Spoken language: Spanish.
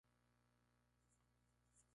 Se estrenó en E!